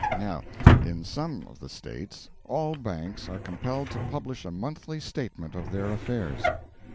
Now, in some of the States, all banks are compelled to publish a monthly statement of their affairs.